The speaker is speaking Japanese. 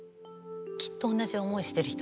きっと同じ思いしてる人